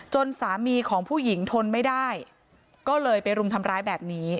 สามีของผู้หญิงทนไม่ได้ก็เลยไปรุมทำร้ายแบบนี้